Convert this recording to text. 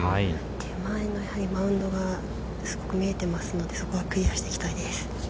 手前のやはりマウンドがすごく見えていますので、そこはクリアしていきたいです。